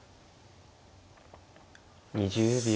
２０秒。